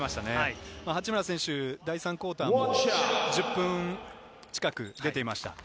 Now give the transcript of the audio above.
八村選手は第３クオーター、１０分近く出ていました。